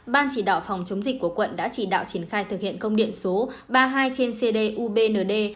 ban chỉ đạo phòng chống dịch của quận đã chỉ đạo triển khai thực hiện công điện số ba mươi hai trên cdubnd